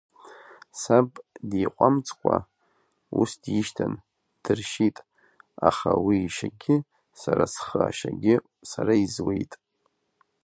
Саб диҟәамҵкәа ус дишьҭын, дыршьит, аха уи ишьагьы сара схы ашьагьы сара изуеит…